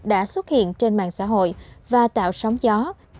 đã xuất hiện trên mạng xã hội và tạo sóng gió